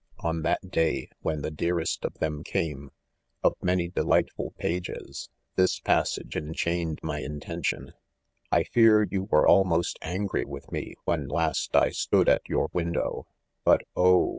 ' On that day, when the dearest of them came, of many delightful pages, this passage enchained my attention : u I fear you were al most angry with me when last I stood at your win dow ; but oh